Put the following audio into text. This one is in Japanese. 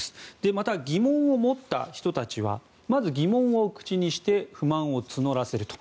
また、疑問を持った人たちはまず、疑問を口にして不満を募らせると。